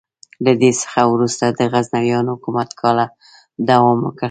له دې څخه وروسته د غزنویانو حکومت کاله دوام وکړ.